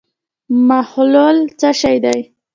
محلول څه شی دی.